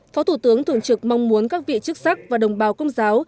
phó thủ tướng thường trực mong muốn các vị chức sắc và đồng bào công giáo